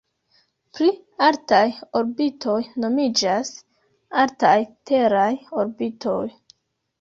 Pli altaj orbitoj nomiĝas "altaj teraj orbitoj".